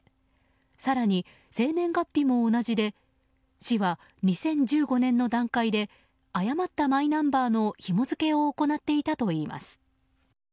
更に生年月日も同じで市は２０１５年の段階で誤ったマイナンバーのひも付けを行っていたといいます。